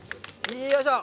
よいしょ！